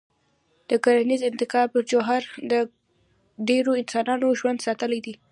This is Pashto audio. د کرنيز انقلاب جوهر د ډېرو انسانانو ژوندي ساتل دي.